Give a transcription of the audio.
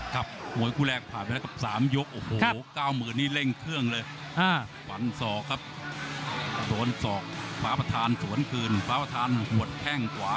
ขวาประธานติดซ้ายต้นทั้งทั้งตัว